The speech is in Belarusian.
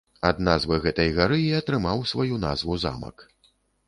Ад назвы гэтай гары і атрымаў сваю назву замак.